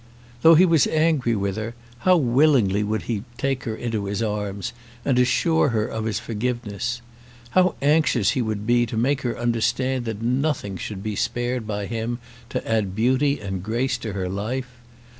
Though he was angry with her, how willingly would he take her into his arms and assure her of his forgiveness! How anxious he would be to make her understand that nothing should be spared by him to add beauty and grace to her life!